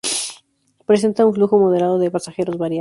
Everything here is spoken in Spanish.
Presenta un flujo moderado de pasajeros variable.